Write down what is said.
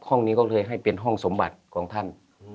ห้องนี้ก็เลยให้เป็นห้องสมบัติของท่าน